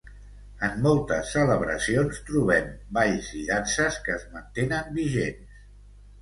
En moltes celebracions trobem balls i danses que es mantenen vigents.